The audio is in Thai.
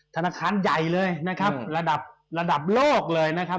ธนาคารใหญ่เลยนะครับระดับระดับโลกเลยนะครับ